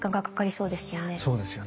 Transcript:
そうですよね。